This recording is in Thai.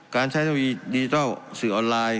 การใช้ทางวิทยาศาสตร์ออนไลน์